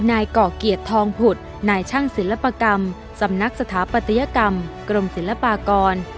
นายก่อเกียรติทองผุดนายช่างศิลปกรรมสำนักสถาปัตยกรรมกรมศิลปากร